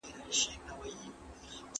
هغه څوک چي فکر کوي هوښيار وي!